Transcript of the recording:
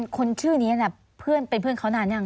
คนชื่อนี้เพื่อนเป็นเพื่อนเขานานยัง